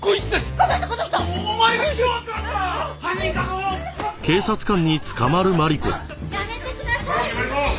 榊マリコ